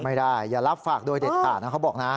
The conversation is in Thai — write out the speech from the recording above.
ไม่ได้อย่ารับฝากโดยเด็ดขาดนะเขาบอกนะ